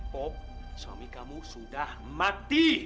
pop suami kamu sudah mati